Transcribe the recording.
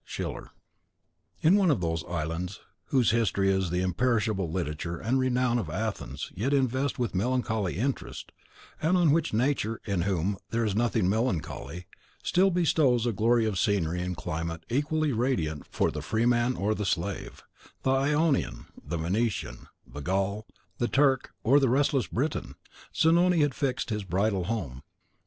Schiller. In one of those islands whose history the imperishable literature and renown of Athens yet invest with melancholy interest, and on which Nature, in whom "there is nothing melancholy," still bestows a glory of scenery and climate equally radiant for the freeman or the slave, the Ionian, the Venetian, the Gaul, the Turk, or the restless Briton, Zanoni had fixed his bridal home.